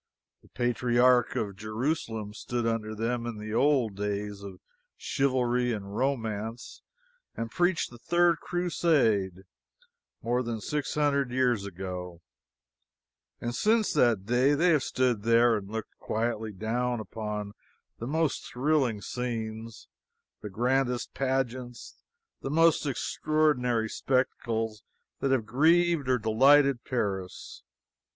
The Patriarch of Jerusalem stood under them in the old days of chivalry and romance, and preached the third Crusade, more than six hundred years ago; and since that day they have stood there and looked quietly down upon the most thrilling scenes, the grandest pageants, the most extraordinary spectacles that have grieved or delighted Paris.